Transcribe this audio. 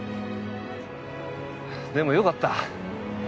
でもよかった。